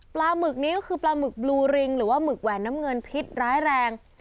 หมึกนี้ก็คือปลาหมึกบลูริงหรือว่าหมึกแหวนน้ำเงินพิษร้ายแรง